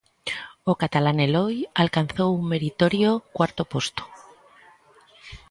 O catalán Eloi alcanzou un meritorio cuarto posto.